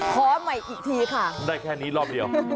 ขอใหม่อีกทีค่ะได้แค่นี้รอบเดียว